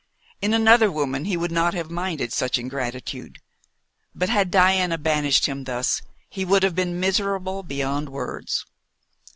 In another woman he would not have minded such ingratitude, but had Diana banished him thus he would have been miserable beyond words.